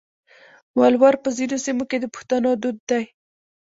ولور په ځینو سیمو کې د پښتنو دود دی.